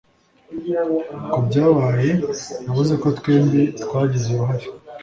kubyabaye Yavuze ko twembi twagize uruhare